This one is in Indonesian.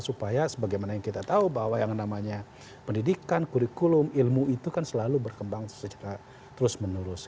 supaya sebagaimana yang kita tahu bahwa yang namanya pendidikan kurikulum ilmu itu kan selalu berkembang secara terus menerus